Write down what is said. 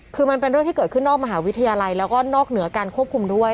คือมันเป็นเรื่องที่เกิดขึ้นนอกมหาวิทยาลัยแล้วก็นอกเหนือการควบคุมด้วย